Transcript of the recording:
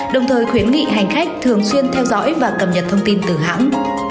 đồng thời khuyến nghị hành khách thường xuyên theo dõi và cầm nhận thông tin từ hãng